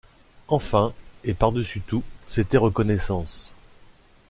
Enfin et par-dessus tout, c’était reconnaissance.